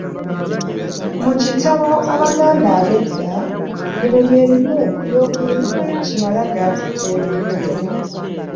Mu kitabo Abaganda Ab’Edda bino bye bimu ku byokuyiga Kimala by’atuteereddemu.